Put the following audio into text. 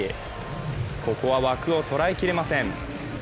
ここは枠を捉えきれません。